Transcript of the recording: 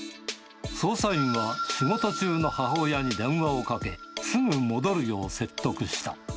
捜査員は、仕事中の母親に電話をかけ、すぐ戻るよう説得した。